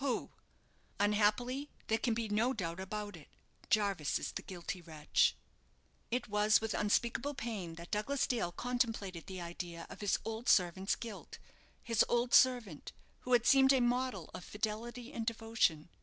"Who? Unhappily there can be no doubt about it. Jarvis is the guilty wretch." It was with unspeakable pain that Douglas Dale contemplated the idea of his old servant's guilt: his old servant, who had seemed a model of fidelity and devotion!